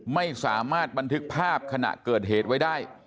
ไม่สามารถบันทึกภาพขณะเกิดเหตุไว้ได้